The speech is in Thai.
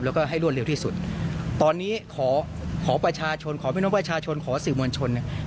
แล้วก็ให้รวดเร็วที่สุดตอนนี้ขอขอประชาชนขอพี่น้องประชาชนขอสื่อมวลชนเนี่ย